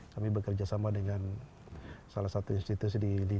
kami bekerja sama dengan salah satu institusi di